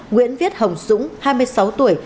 nguyễn viết hồng dũng hai mươi sáu tuổi